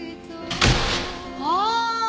ああ！